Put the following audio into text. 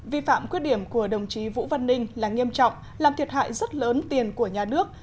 vi phạm khuyết điểm của đồng chí vũ văn ninh là nghiêm trọng làm thiệt hại rất lớn tiền của nhà nước